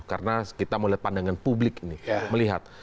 karena kita mau lihat pandangan publik ini